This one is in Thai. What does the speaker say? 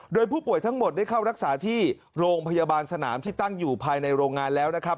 โดยผู้ป่วยทั้งหมดได้เข้ารักษาที่โรงพยาบาลสนามที่ตั้งอยู่ภายในโรงงานแล้วนะครับ